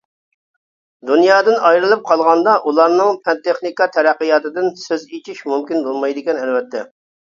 دۇنيادىن ئايرىلىپ قالغاندا ئۇلارنىڭ پەن تېخنىكا تەرەققىياتىدىن سۆز ئېچىش مۇمكىن بولمايدىكەن ئەلۋەتتە.